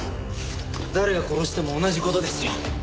誰が殺しても同じ事ですよ。